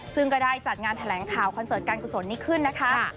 ซึ่งก็ได้จัดงานแถลงข่าวคอนเสิร์ตการกุศลนี้ขึ้นนะคะ